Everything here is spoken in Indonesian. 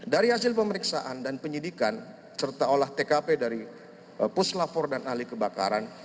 dari hasil pemeriksaan dan penyidikan serta olah tkp dari puslapor dan ahli kebakaran